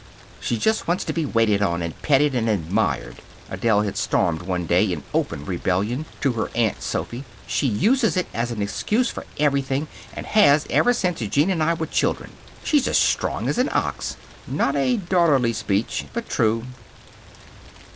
"She just wants to be waited on, and petted, and admired," Adele had stormed one day, in open rebellion, to her Aunt Sophy. "She uses it as an excuse for everything and has, ever since Gene and I were children. She's as strong as an ox." Not a daughterly speech, but true.